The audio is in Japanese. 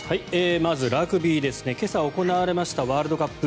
まずラグビーですね今朝行われましたワールドカップ